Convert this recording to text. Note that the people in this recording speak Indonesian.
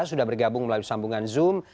sudah bergabung melalui sambungan zoom